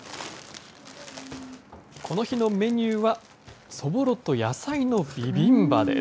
この日のメニューは、そぼろと野菜のビビンバです。